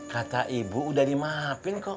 kata ibu udah dimaafin kok